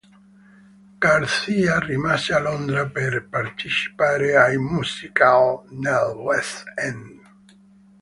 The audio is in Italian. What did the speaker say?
Garcia rimase a Londra per partecipare ai musical nel West End.